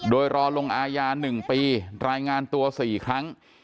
โดยรอลงอาญาหนึ่งปีรายงานตัวสี่ครั้ง